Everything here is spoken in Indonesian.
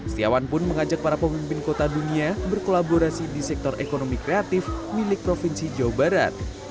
setiawan pun mengajak para pemimpin kota dunia berkolaborasi di sektor ekonomi kreatif milik provinsi jawa barat